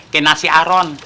ke nasi aron